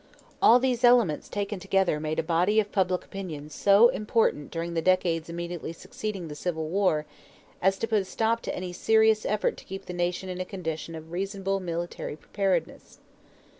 All these elements taken together made a body of public opinion so important during the decades immediately succeeding the Civil War as to put a stop to any serious effort to keep the Nation in a condition of reasonable military preparedness.